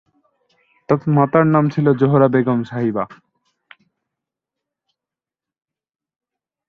তার মাতার নাম ছিল জোহরা বেগম সাহিবা।